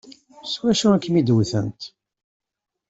S wacu i kem-id-wtent?